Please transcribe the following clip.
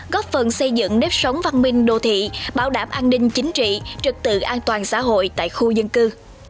góp phần xây dựng nếp sống văn minh đô thị bảo đảm an ninh chính trị trật tự an toàn xã hội tại khu dân cư